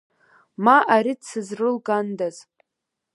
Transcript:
Ма ари дсызрылгандаз!